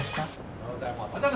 おはようございます。